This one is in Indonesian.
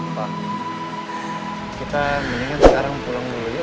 pak kita mendingan sekarang pulang dulu yuk